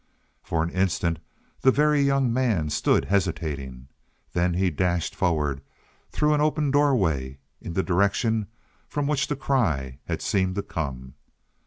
For an instant, the Very Young Man stood hesitating. Then he dashed forward through an open doorway in the direction from which the cry had seemed to come.